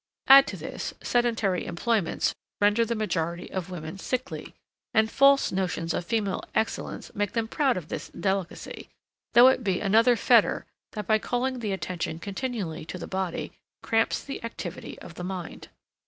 Add to this, sedentary employments render the majority of women sickly, and false notions of female excellence make them proud of this delicacy, though it be another fetter, that by calling the attention continually to the body, cramps the activity of the mind.